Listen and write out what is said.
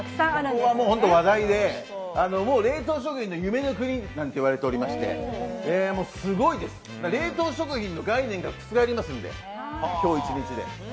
ここは本当に話題で冷凍食品の夢の国なんていわれておりまして、すごいです。冷凍食品の概念が覆りますので今日１日で。